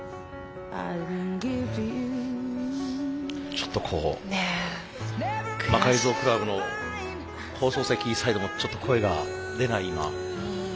ちょっとこう魔改造倶楽部の放送席サイドもちょっと声が出ない今状況です。